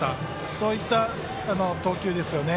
そういった投球ですよね。